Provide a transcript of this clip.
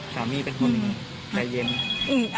สามีเป็นคนใจเย็น